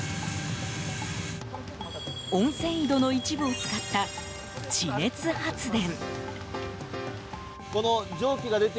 温泉井戸の一部を使った地熱発電。